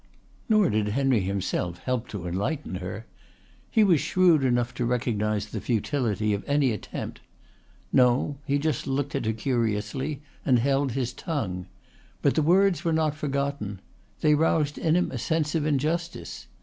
Nor did Henry himself help to enlighten her. He was shrewd enough to recognise the futility of any attempt. No! He just looked at her curiously and held his tongue. But the words were not forgotten. They roused in him a sense of injustice.